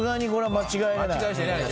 間違えれない。